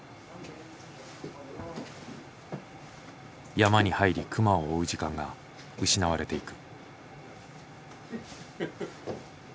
山に入り熊を追う時間が失われていく。